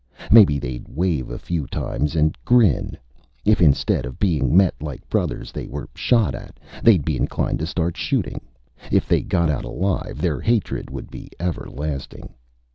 Maybe they'd wave a few times and grin. If instead of being met like brothers, they were shot at, they'd be inclined to start shooting. If they got out alive, their hatred would be everlasting.